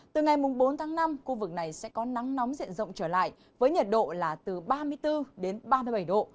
từ ngày bốn tháng năm khu vực này sẽ có nắng nóng diện rộng trở lại với nhiệt độ là từ ba mươi bốn đến ba mươi bảy độ